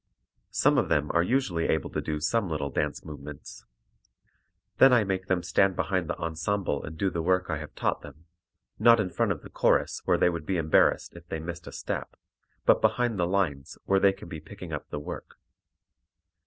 Some of them are usually able to do some little dance movements. Then I make them stand behind the ensemble and do the work I have taught them, not in front of the chorus where they would be embarrassed if they missed a step, but behind the lines where they can be picking up the work.